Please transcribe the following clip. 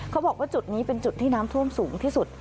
เขาบอกว่าจุดนี้เป็นจุดที่น้ำท่วมสูงที่สุด